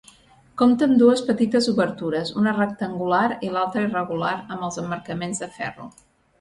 Compta amb dues petites obertures, una rectangular i l'altra irregular amb els emmarcaments de ferro.